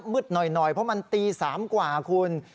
หน่อยเพราะมันตี๓กว่าคุณ